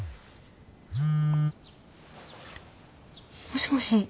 もしもし。